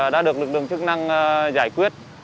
đã được lực lượng chức năng giải quyết